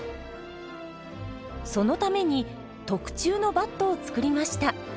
そのために特注のバットを作りました。